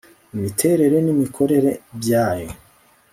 imiterere n'imikorere byayo